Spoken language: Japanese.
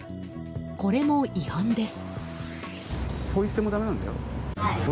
これも違反です。